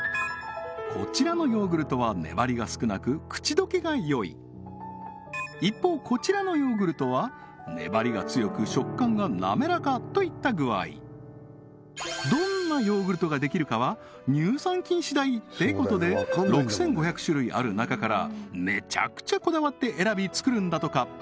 こちらのヨーグルトは粘りが少なく口溶けが良い一方こちらのヨーグルトは粘りが強く食感が滑らかといった具合どんなヨーグルトができるかは乳酸菌次第ってことで６５００種類ある中からめちゃくちゃこだわって選び作るんだとか